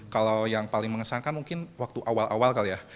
kalau yang paling mengesankan mungkin waktu awal awal kali ya